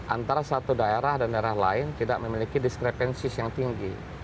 antara satu daerah dan daerah lain tidak memiliki discrepenses yang tinggi